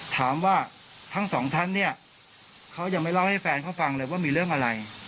ถามว่าทั้งสองท่านเนี่ยเขายังไม่เล่าให้แฟนเขาฟังเลยว่ามีเรื่องอะไร